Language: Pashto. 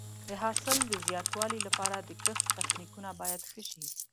د حاصل د زیاتوالي لپاره د کښت تخنیکونه باید ښه شي.